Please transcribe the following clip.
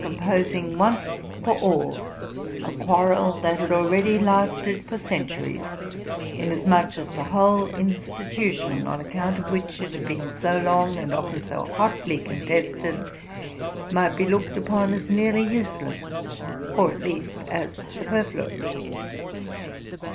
composing once for aul a quarrel that had already lasted for centuries, inasmuch as the whole institution, on account of which it had been so long and often so hotly contested, might be looked upon as nearly useless, or at least as superfluous.